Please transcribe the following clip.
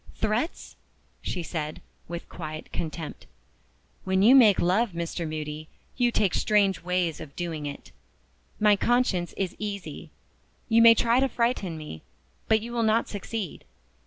"Threats?" she said, with quiet contempt. "When you make love, Mr. Moody, you take strange ways of doing it. My conscience is easy. You may try to frighten me, but you will not succeed.